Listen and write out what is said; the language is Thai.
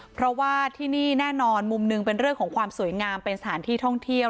เพราะว่าที่นี่แน่นอนมุมหนึ่งเป็นเรื่องของความสวยงามเป็นสถานที่ท่องเที่ยว